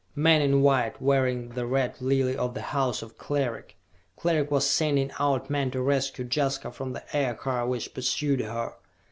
Men in white, wearing the Red Lily of the House of Cleric! Cleric was sending out men to rescue Jaska from the Aircar which pursued her!